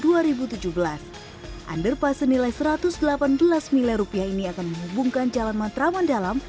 underpass senilai satu ratus delapan belas miliar rupiah ini akan menghubungkan jalan matraman dalam